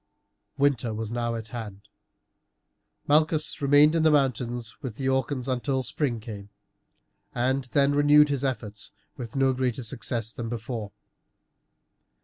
Winter was now at hand. Malchus remained in the mountains with the Orcans until spring came, and then renewed his efforts with no greater success than before.